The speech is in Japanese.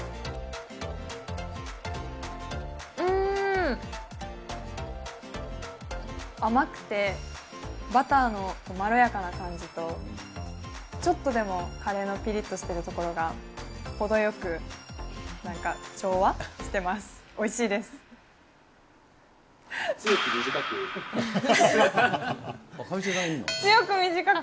うーん！甘くて、バターのまろやかな感じと、ちょっとでもカレーのぴりっとしているところが、程よく、なんか、強く短く。